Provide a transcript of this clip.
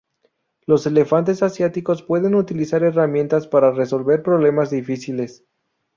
Los elefantes asiáticos pueden utilizar herramientas para resolver problemas difíciles.